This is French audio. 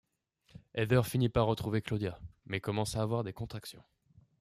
Heather finit par retrouver Claudia, mais commence à avoir des contractions.